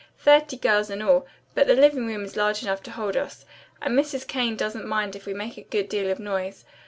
Thirty girls in all, but the living room is large enough to hold us, and Mrs. Kane doesn't mind if we make a good deal of noise.